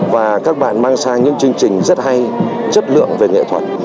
và các bạn mang sang những chương trình rất hay chất lượng về nghệ thuật